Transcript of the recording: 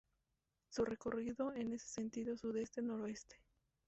Su recorrido es en sentido sudeste-noroeste.